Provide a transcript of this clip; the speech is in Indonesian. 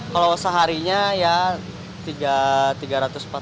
kalau seharinya ya tiga ratus empat ratus dapat